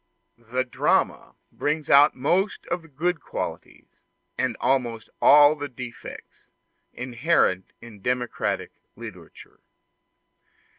The drama brings out most of the good qualities, and almost all the defects, inherent in democratic literature.